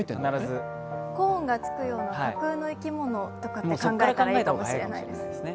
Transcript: コーンがつくような架空の生き物と考えたらいいかもしれないですね。